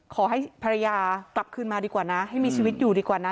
ขอให้ภรรยากลับคืนมาดีกว่านะให้มีชีวิตอยู่ดีกว่านะ